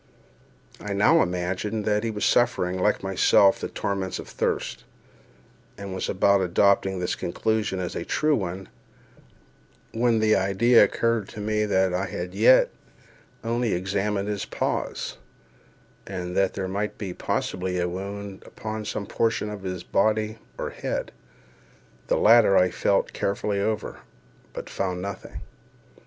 I now imagined that he was suffering, like myself, the torments of thirst, and was about adopting this conclusion as the true one, when the idea occurred to me that I had as yet only examined his paws, and that there might possibly be a wound upon some portion of his body or head. The latter I felt carefully over, but found nothing.